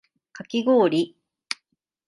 かきごおり